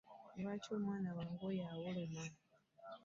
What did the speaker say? Lwaki omwana wange oyo awoloma?